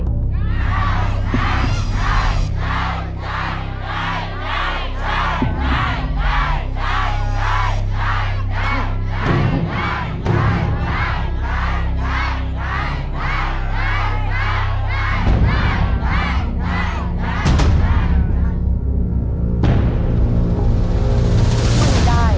แย่แจ๋วแย่แจ๋วแย่แจ๋วแย่แจ๋ว